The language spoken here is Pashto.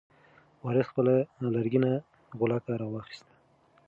وارث خپله لرګینه غولکه راواخیسته.